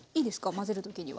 混ぜる時には。